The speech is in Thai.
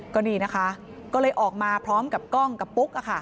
ก็นี่นะคะก็เลยออกมาพร้อมกับกล้องกับปุ๊ก